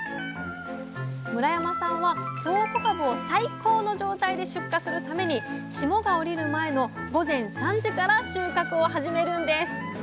村山さんは京こかぶを最高の状態で出荷するために霜が降りる前の午前３時から収穫を始めるんです。